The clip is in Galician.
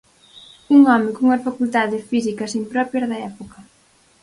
Un home cunhas facultades físicas impropias da época.